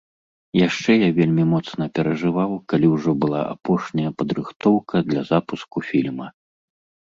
Яшчэ я вельмі моцна перажываў, калі ўжо была апошняя падрыхтоўка для запуску фільма.